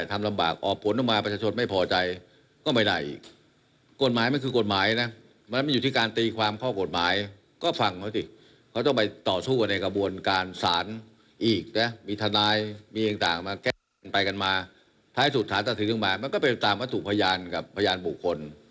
ถ้าให้สุถานที่สู่แล้วมาก็ไปตามว่าถูกพยานกับพยานบุคคล